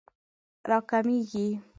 راکمېږي